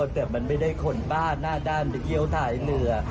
แต่มันไม่ได้คนบ้าหน้าด้านไปเที่ยวท้ายเรือ